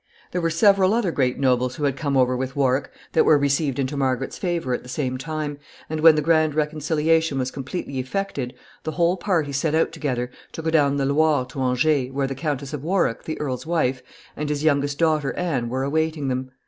] There were several other great nobles, who had come over with Warwick, that were received into Margaret's favor at the same time, and, when the grand reconciliation was completely effected, the whole party set out together to go down the Loire to Angers, where the Countess of Warwick, the earl's wife, and his youngest daughter, Anne, were awaiting them.